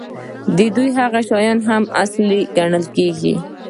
دي هغه شیان مهم او اصیل ګڼي.